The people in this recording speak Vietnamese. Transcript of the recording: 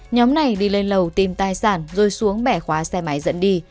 nhóm này đi lên lầu tìm tài sản rồi xuống bẻ khóa xe máy dẫn đi